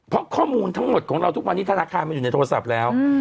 เพราะข้อมูลทั้งหมดของเราทุกวันนี้ธนาคารมันอยู่ในโทรศัพท์แล้ว